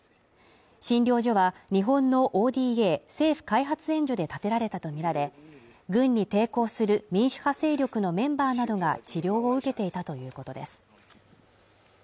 診療所は日本のＯＤＡ＝政府開発援助で建てられたとみられ、軍に抵抗する民主派勢力のメンバーなどが治療を受けていたということです。